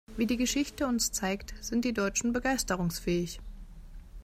Wie die Geschichte uns zeigt, sind die Deutschen begeisterungsfähig.